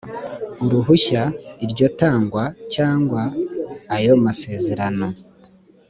uruhushya iryo tangwa cyangwa ayo masezerano